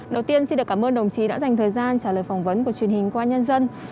đầu tiên xin được cảm ơn đồng chí đã dành thời gian trả lời phỏng vấn của truyền hình công an nhân dân